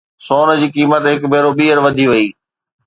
سون جي قيمت هڪ ڀيرو ٻيهر وڌي وئي